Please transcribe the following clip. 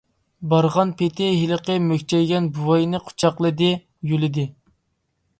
بارغان پېتى ھېلىقى مۈكچەيگەن بوۋاينى قۇچاقلىدى، يۆلىدى.